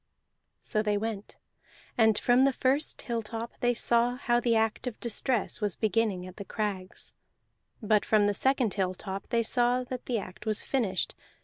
So they went, and from the first hilltop they saw how the act of distress was beginning at the crags; but from the second hilltop they saw that the act was finished.